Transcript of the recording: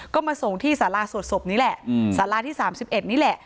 ก็มาส่งที่สาราสวดศพนี่แหละสาราที่๓๑นี่แหละ